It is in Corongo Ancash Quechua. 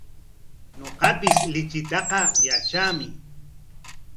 Ñuqapis lichitaqa yatraami.